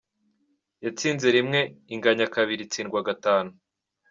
Yatsinze rimwe, inganya kabiri itsindwa gatanu.